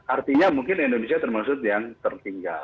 artinya mungkin indonesia termasuk yang tertinggal